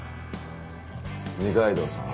二階堂さん。